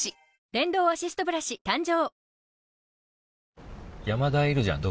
電動アシストブラシ誕生